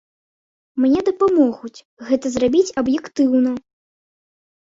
Мне дапамогуць гэта зрабіць аб'ектыўна.